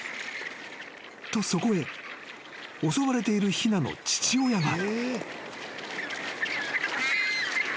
［とそこへ襲われているひなの父親が］